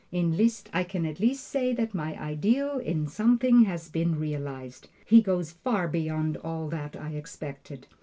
In Liszt I can at least say that my ideal in something has been realized. He goes far beyond all that I expected.